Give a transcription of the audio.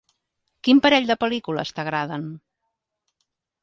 Quin parell de pel·lícules t'agraden?